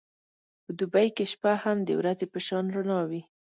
په دوبی کې شپه هم د ورځې په شان رڼا ده.